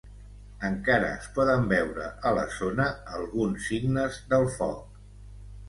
Encara es poden veure a la zona alguns signes del foc.